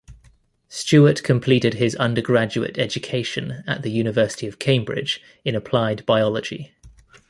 Stuart completed his undergraduate education at the University of Cambridge in applied biology.